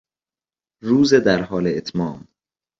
روز در حال اتمام